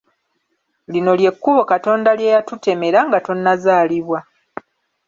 Lino lye kkubo Katonda lye yatutemera nga tonnazaalibwa.